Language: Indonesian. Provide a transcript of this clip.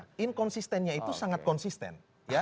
nah inkonsistennya itu sangat konsisten